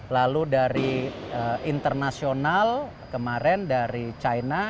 lalu dari internasional kemarin dari china